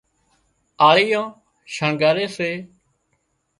آۯيئان شڻڳاري سي